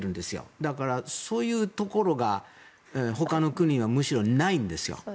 だから、そういうところが他の国はむしろないんですよ。